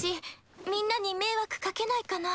みんなに迷惑かけないかな？